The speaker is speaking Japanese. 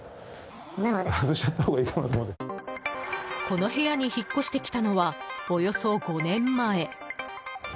この部屋に引っ越してきたのはおよそ５年前。